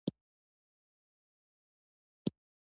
پکتیکا د افغانستان د اوږدمهاله پایښت لپاره مهم رول لري.